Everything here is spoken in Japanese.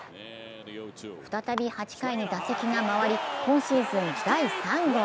再び８回に打席が回り、今シーズン第３号。